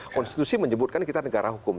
konstitusi menyebutkan kita negara hukum